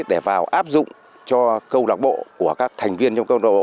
để vào áp dụng cho câu đọc bộ của các thành viên trong câu đọc bộ